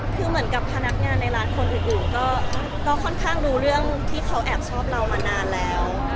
คือเหมือนกับพนักงานในร้านคนอื่นก็ค่อนข้างรู้เรื่องที่เขาแอบชอบเรามานานแล้ว